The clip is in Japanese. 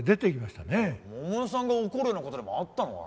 桃代さんが怒るような事でもあったのかな？